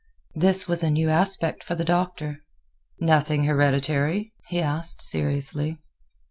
This was a new aspect for the Doctor. "Nothing hereditary?" he asked, seriously.